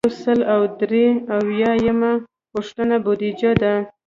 یو سل او درې اویایمه پوښتنه بودیجه ده.